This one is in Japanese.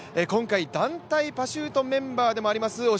今回、団体パシュートメンバーでもあります